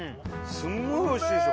すごいおいしいっしょ？